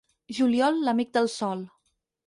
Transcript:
Juliol, l'amic del sol.